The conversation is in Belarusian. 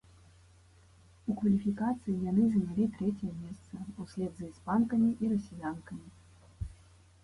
У кваліфікацыі яны занялі трэцяе месца ўслед за іспанкамі і расіянкамі.